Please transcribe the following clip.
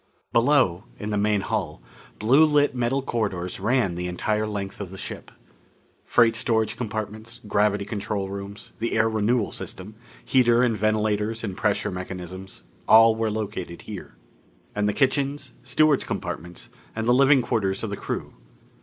Below, in the main hull, blue lit metal corridors ran the entire length of the ship. Freight storage compartments; gravity control rooms; the air renewal system; heater and ventilators and pressure mechanisms all were located there. And the kitchens, stewards' compartments, and the living quarters of the crew.